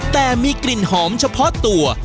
แต่มีกลิ่นหอมเฉพาะตัว